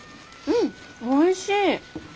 うんおいしい。